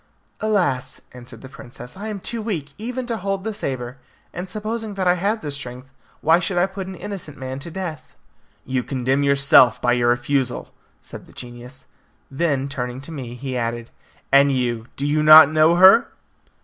"Alas," answered the princess, "I am too weak even to hold the sabre. And supposing that I had the strength, why should I put an innocent man to death?" "You condemn yourself by your refusal," said the genius; then turning to me, he added, "and you, do you not know her?"